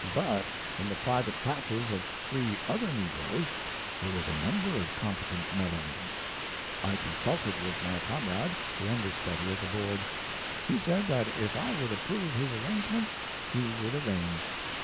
But in the private patches of three other negroes there was a number of competent melons. I consulted with my com rade, the understudy of the Board. He said that if I would approve his arrangements, he would arrange.